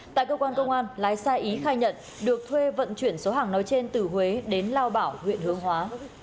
tại cơ quan công an lái xe ý khai nhận được thuê vận chuyển số hàng nói trên từ huế đến lao bảo huyện hương hóa